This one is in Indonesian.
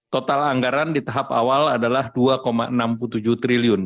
total anggaran di tahap awal adalah rp dua enam puluh tujuh triliun